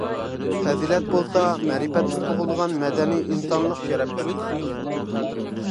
پەزىلەت بولسا، مەرىپەتتىن تۇغۇلىدىغان مەدەنىي ئىنسانلىق شەرەپ بەلگىسىدۇر.